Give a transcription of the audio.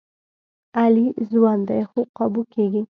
علي ځوان دی، خو قابو کېږي.